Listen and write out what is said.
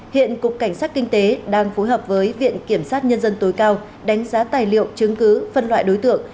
hiện cục cảnh sát kinh tế đang phối hợp với viện kiểm sát nhân dân tối cao đánh giá tài liệu chứng cứ phân loại đối tượng